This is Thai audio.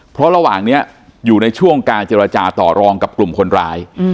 เพราะระหว่างนี้อยู่ในช่วงการเจรจาต่อรองกับกลุ่มคนร้าย